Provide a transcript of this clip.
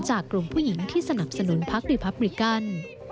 กลุ่มผู้หญิงที่สนับสนุนพักดีพับริกัน